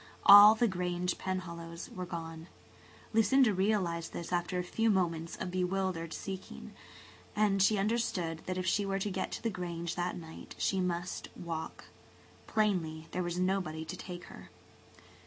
All the Grange Penhallows were gone; Lucinda realized this after a few moments of bewildered seeking, and she understood that if she were to get to the Grange that night she must walk. Plainly there was nobody to take her.